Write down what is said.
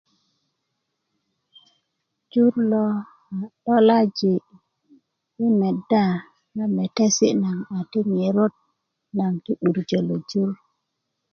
jur lo a 'dolaji i meda na metesi naŋ ti ŋerot naŋ ti 'durjö na jur